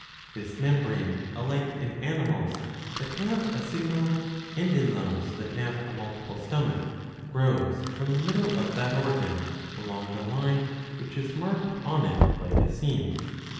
^ This membrane, alike in animals that have a single and in those that have a multiple stomach, grows from the middle of that organ, along a line which is marked on it like a seam.